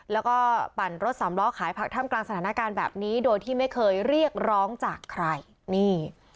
แล้วก็ปั่นรถสามล้อขายผักท่ามกลางสถานการณ์แบบนี้โดยที่ไม่เคยเรียกร้องจากใครนี่